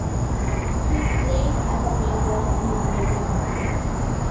He trained as a painter in his native country.